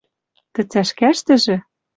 Тӹ цӓшкӓштӹжӹ —